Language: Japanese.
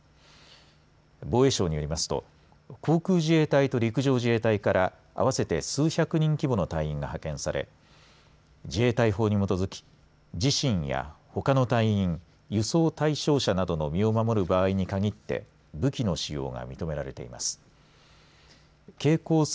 防衛省によりますと航空自衛隊と陸上自衛隊から合わせて数百人規模の隊員が派遣され自衛隊法に基づき自身や、ほかの隊員輸送対象者などの身を守る場合にかぎって武器の使用が認められています。